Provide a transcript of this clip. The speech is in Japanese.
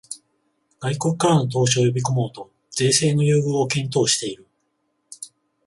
外国からの投資を呼びこもうと税制の優遇を検討している